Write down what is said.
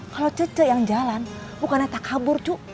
kalau cece yang jalan bukannya tak kabur cuk